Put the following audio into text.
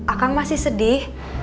akang masih sedih